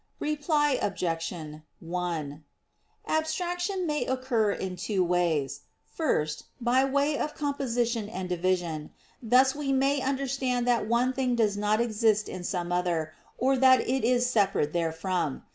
Reply Obj. 1: Abstraction may occur in two ways: First, by way of composition and division; thus we may understand that one thing does not exist in some other, or that it is separate therefrom.